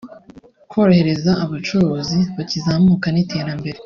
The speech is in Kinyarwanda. korohereza abacuruzi bakizamuka n’iterambere